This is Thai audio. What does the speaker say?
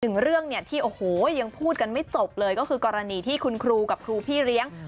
หนึ่งเรื่องเนี่ยที่โอ้โหยังพูดกันไม่จบเลยก็คือกรณีที่คุณครูกับครูพี่เลี้ยง